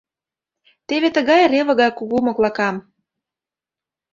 Теве тыгай реве гай кугу моклакам...